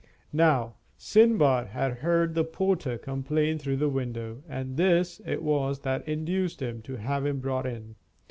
Now, Sindbad had heard the porter complain through the window, and this it was that induced him to have him brought in.